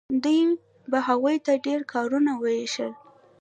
دوی به هغو ته ډیر کارونه ویشل.